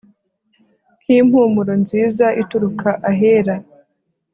nk' impumuro nziza ituruka ahera